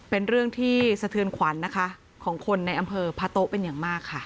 เป็นเรื่องที่สะเทือนขวัญนะคะของคนในอำเภอพะโต๊ะเป็นอย่างมากค่ะ